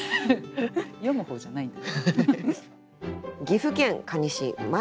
詠む方じゃないんだ。